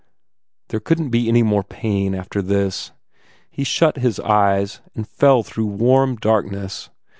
There couldn t be any more pain, after this. He shut his eyes and fell through warm darkness.